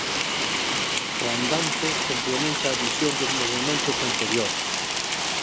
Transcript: O "andante" complementa a visión dos movementos anteriores.